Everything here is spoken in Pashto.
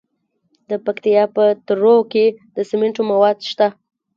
د پکتیکا په تروو کې د سمنټو مواد شته.